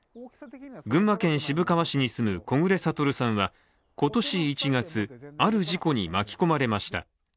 群馬県渋川市に住む、木暮暁さんは今年１月ある事故に巻き込まれました。